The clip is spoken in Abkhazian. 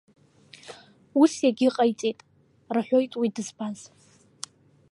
Ус иагьыҟаиҵеит, — рҳәоит, уи дызбаз.